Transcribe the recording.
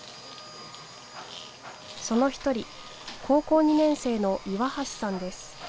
その１人、高校２年生の岩橋さんです。